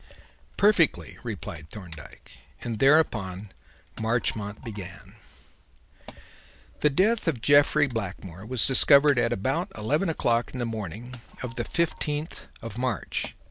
"Perfectly," replied Thorndyke; and thereupon Marchmont began: "The death of Jeffrey Blackmore was discovered at about eleven o'clock in the morning of the fifteenth of March.